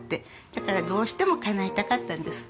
だからどうしてもかなえたかったんです。